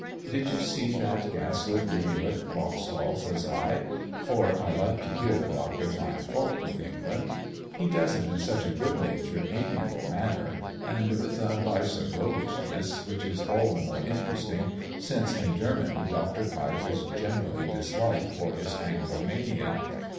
"Did you see that gas lit rivulet at Vauxhall?" asked I, for I like to hear the Doctor find fault with England. He does it in such a good natured, amiable manner, and with a spice of roguishness which is all the more interesting, since in Germany Dr. Keif is generally disliked for his Anglomania.